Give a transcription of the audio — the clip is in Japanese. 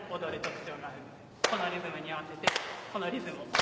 このリズムに合わせてこのリズムを。